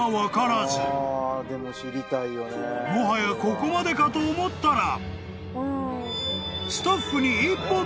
［もはやここまでかと思ったら］